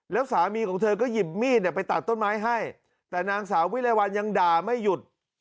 แล้วสามีของเธอก็หยิบมีดไปตัดต้นไม้ให้แต่นางสาววิรัยวัลยังด่าไม่หยุด